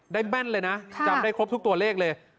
แม่นเลยนะจำได้ครบทุกตัวเลขเลย